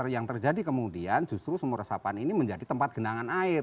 yang terjadi kemudian justru sumur resapan ini menjadi tempat genangan air